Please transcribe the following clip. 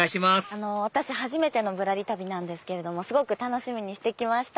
私初めての『ぶらり旅』ですけどすごく楽しみにして来ました。